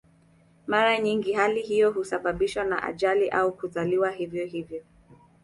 Mara nyingi hali hiyo husababishwa na ajali au kuzaliwa hivyo hivyo.